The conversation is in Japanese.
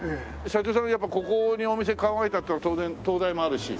社長さんがここにお店構えたっていうのは当然東大もあるし。